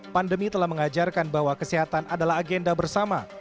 pandemi telah mengajarkan bahwa kesehatan adalah agenda bersama